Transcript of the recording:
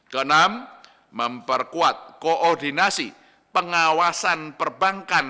kenam memperkuat koordinasi pengawasan perbankan